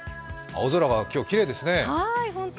青空が今日きれいですね。